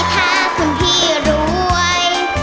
ถ้าคุณพี่รวย